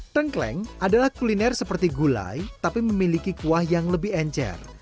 tengkleng adalah kuliner seperti gulai tapi memiliki kuah yang lebih encer